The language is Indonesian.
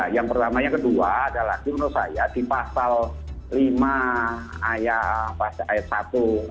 yang pertama yang kedua adalah menurut saya di pasal lima ayat satu